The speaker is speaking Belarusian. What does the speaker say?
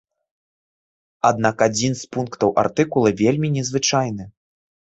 Аднак адзін з пунктаў артыкула вельмі незвычайны.